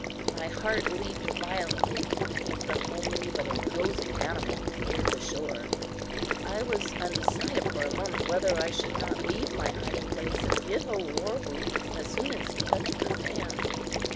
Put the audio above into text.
My heart leaped violently as the homely but imposing animal neared the shore. I was undecided for a moment whether I would not leave my hiding place and give a war whoop as soon as he touched the sand.